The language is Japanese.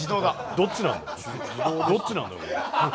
どっちなんだよ。